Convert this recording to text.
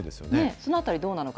そのあたり、どうなのか。